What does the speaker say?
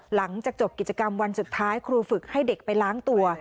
หลังจากจบกิจกรรมวันสุดท้ายครูฝึกให้เด็กไปล้างตัว